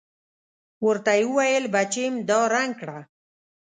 ورته يې وويل بچېم دا رنګ کړه.